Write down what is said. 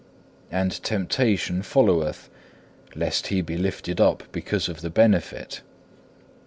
And temptation followeth, lest he be lifted up because of the benefit.